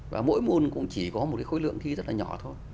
và mỗi môn cũng chỉ có một cái khối lượng thi rất là nhỏ thôi